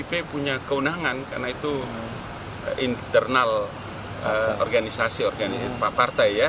tapi pdip punya kewenangan karena itu internal organisasi pak partai ya